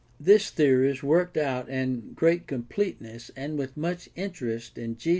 This theory is worked out in great completeness and with much interest in G.